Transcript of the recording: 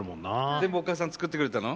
全部お母さん作ってくれたの？